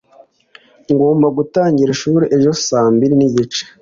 Ngomba gutanga ishuri ejo saa mbiri nigice.